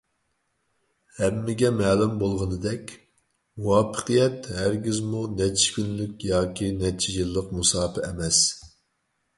ھەممىگە مەلۇم بولغىنىدەك، مۇۋەپپەقىيەت ھەرگىزمۇ نەچچە كۈنلۈك ياكى نەچچە يىللىق مۇساپە ئەمەس.